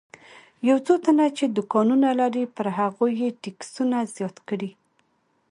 یو څو تنه چې دوکانونه لري پر هغوی یې ټکسونه زیات کړي.